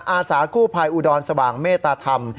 อาสากู้ภัยอุดรสว่างเมตตาธรรม